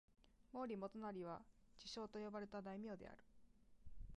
毛利元就は智将と呼ばれた大名である。